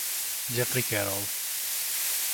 Jeffrey Carroll